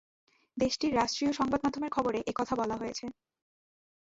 দেশটির রাষ্ট্রীয় সংবাদ মাধ্যমের খবরে এ কথা বলা হয়েছে।